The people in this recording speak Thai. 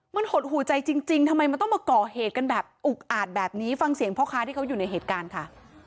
มันหดหูใจจริงทำไมมันต้องมาก่อเหตุกันแบบอุกอาจแบบนี้ฟังเสียงพ่อค้าที่เขาอยู่ในเหตุการณ์ค่ะ